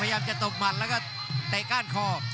พยายามจะตบหมัดแล้วก็เตะก้านคอ